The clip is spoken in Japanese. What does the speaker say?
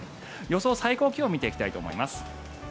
予想最高気温を見ていきたいと思います。